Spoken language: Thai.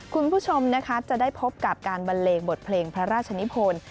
คุณผู้ชมนะคะจะได้พบกับการบันเลงบทเพลงพระราชนิพล